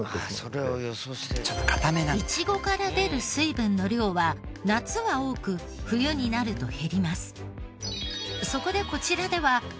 いちごから出る水分の量は夏は多く冬になると減ります。